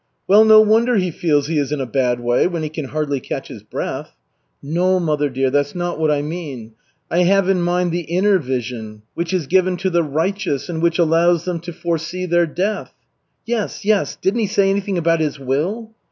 "Well, no wonder he feels he is in a bad way when he can hardly catch his breath." "No, mother dear, that's not what I mean. I have in mind the inner vision which is given to the righteous and which allows them to foresee their death." "Yes, yes! Didn't he say anything about his will?"